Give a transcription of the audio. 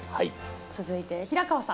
続いて平川さん。